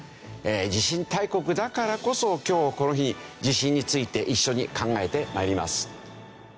地震大国だからこそ今日この日に地震について一緒に考えてまいります。